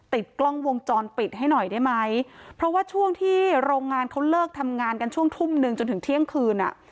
ติดกล้องวงจรปิดให้หน่อยได้ไหมเพราะว่าช่วงที่โรงงานเขาเลิกทำงานกันช่วงทุ่มหนึ่งจนถึงเที่ยงคืนอ่ะ